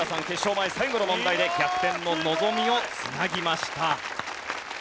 前最後の問題で逆転の望みを繋ぎました。